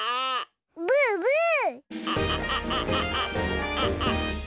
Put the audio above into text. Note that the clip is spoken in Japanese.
ブーブー。